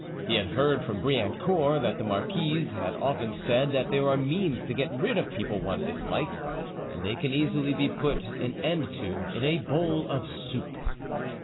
He had heard from Briancourt that the marquise had often said that there are means to get rid of people one dislikes, and they can easily be put an end to in a bowl of soup.